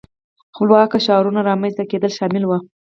خپلواکو ښارونو رامنځته کېدل شامل وو.